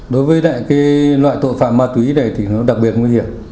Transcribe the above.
đối với loại tội phạm ma túy này thì nó đặc biệt nguy hiểm